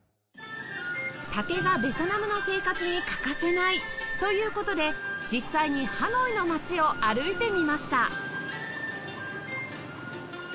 竹がベトナムの生活に欠かせないという事で実際にハノイの街を歩いてみました